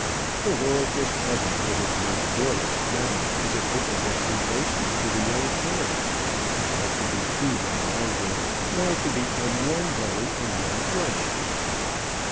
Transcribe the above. The world was pleasant with its most joyous smile as it opened its embraces to the young pair about to be two no longer now to become one bone and one flesh.